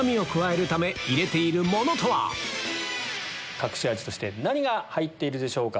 隠し味として何が入っているでしょうか？